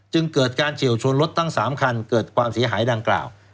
จึงเกิดการเฉียวชนรถทั้ง๓คันเกิดความเสียหายดังกล่าว